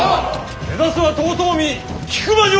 目指すは遠江引間城！